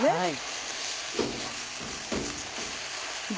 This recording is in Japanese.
はい。